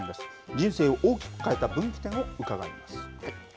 人生を大きく変えた分岐点を伺います。